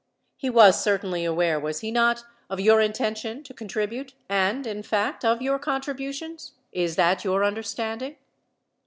He was certainly aware, was he not, of your intention to contribute and, in fact, of your contributions? Is that your understanding?